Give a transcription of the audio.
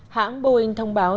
hãng boeing thông báo